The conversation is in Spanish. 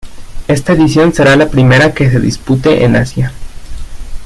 Esta edición será la primera que se dispute en Asia.